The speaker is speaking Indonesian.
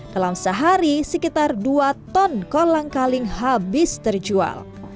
dalam sehari sekitar dua ton kolang kaling habis terjual